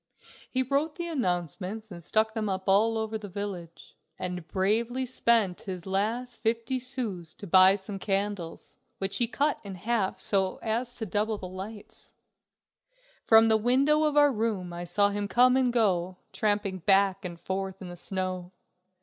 He wrote the announcements and stuck them up all over the village. With a few planks of wood he arranged a stage, and bravely spent his last fifty sous to buy some candles, which he cut in half so as to double the lights. From the window of our room I saw him come and go, tramping back and forth in the snow.